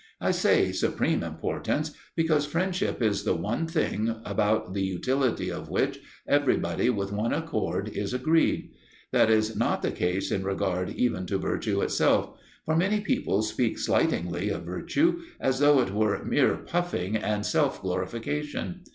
I say "supreme importance," because friendship is the one thing about the utility of which everybody with one accord is agreed. That is not the case in regard even to virtue itself; for many people speak slightingly of virtue as though it were mere puffing and self glorification.